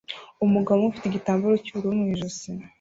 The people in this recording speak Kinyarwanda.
Umugabo umwe ufite igitambaro cy'ubururu mu ijosi